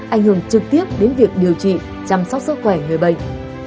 ảnh hưởng trực tiếp đến việc điều trị chăm sóc sức khỏe người bệnh